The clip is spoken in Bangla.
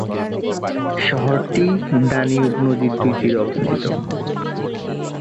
শহরটি দানিউব নদীর দুই তীরে অবস্থিত।